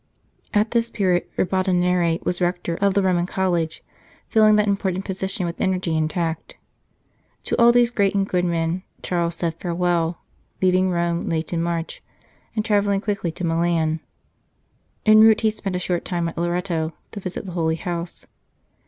At this period Ribadaneira was Rector of the 50 A Nest of Saints Roman College, filling that important position with energy and tact. To all these great and good men Charles said farewell, leaving Rome late in March, and travel ling quickly to Milan. En route he spent a short time at Loreto to visit the Holy House.